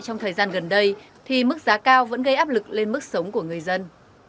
trong thời gian gần đây thì mức giá cao vẫn gây áp lực lên mức sống của người dân